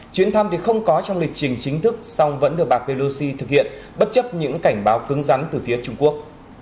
chuyến thăm thì không có trong lịch trình chính thức song vẫn được bà pelosi thực hiện bất chấp những cảnh báo cứng rắn từ phía trung quốc